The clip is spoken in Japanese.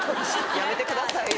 やめてくださいよ